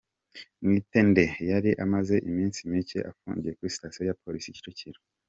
Mwitende yari amaze iminsi mike afungiye kuri Station ya Polisi Kicukiro.